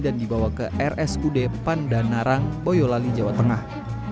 dan dibawa ke rsud pandanarang boyolali jawa tengah